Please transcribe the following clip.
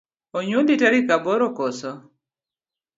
Onyuoli Tarik aboro koso?